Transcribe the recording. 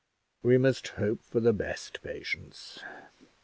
"We must hope for the best, Patience.